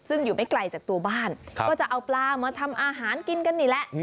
ซึ่งอยู่ไม่ไกลจากตัวบ้านก็จะเอาปลามาทำอาหารกินกันนี่แหละ